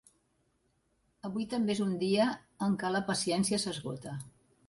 Avui també és un dia en què la paciència s’esgota.